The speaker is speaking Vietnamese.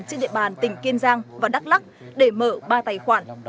trên địa bàn tỉnh kiên giang và đắk lắc để mở ba tài khoản